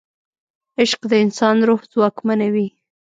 عشق د انسان روح ځواکمنوي.